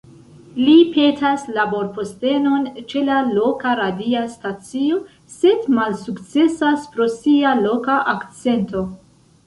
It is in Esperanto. Li petas laborpostenon ĉe la loka radia stacio, sed malsukcesas pro sia loka akcento.